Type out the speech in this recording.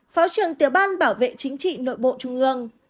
phó trưởng tiểu ban bảo vệ chính trị nội bộ trung ương